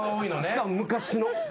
しかも昔の。